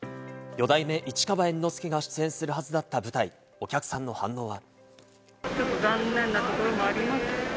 四代目市川猿之助が出演するはずだった舞台、お客さんの反応は。